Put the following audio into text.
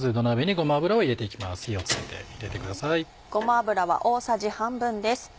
ごま油は大さじ半分です。